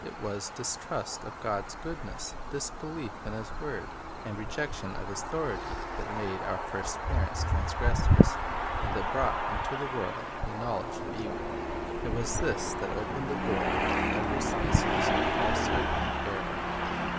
It was distrust of God's goodness, disbelief of His word, and rejection of His authority, that made our first parents transgressors, and that brought into the world a knowledge of evil. It was this that opened the door to every species of falsehood and error.